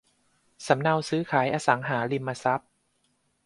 สำเนาซื้อขายอสังหาริมทรัพย์